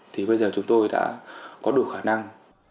thì bây giờ chúng tôi đã có đủ khả năng